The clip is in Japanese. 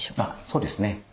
そうですね